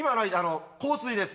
『香水』です。